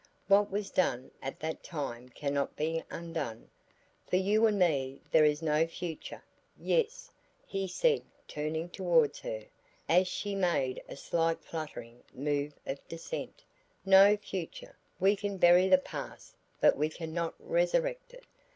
"What was done at that time cannot be undone. For you and me there is no future. Yes," he said turning towards her as she made a slight fluttering move of dissent, "no future; we can bury the past, but we can not resurrect it.